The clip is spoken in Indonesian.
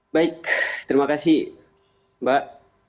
baik terima kasih mbak